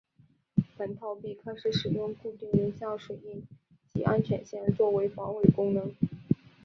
本套币开始使用固定人像水印及安全线作为防伪功能。